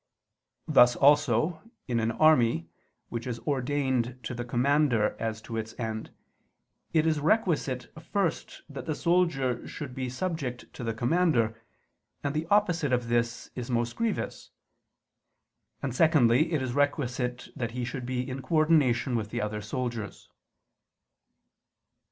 Thus also, in an army, which is ordained to the commander as to its end, it is requisite first that the soldier should be subject to the commander, and the opposite of this is most grievous; and secondly it is requisite that he should be in coordination with the other soldiers.